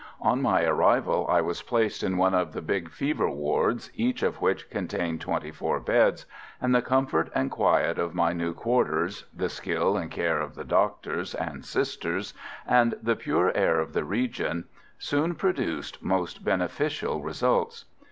On my arrival I was placed in one of the big fever wards, each of which contained twenty four beds, and the comfort and quiet of my new quarters, the skill and care of the doctors and Sisters, and the pure air of the region, soon produced most beneficial results.